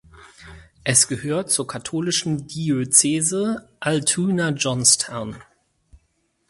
Es gehört zur katholischen Diözese Altoona-Johnstown.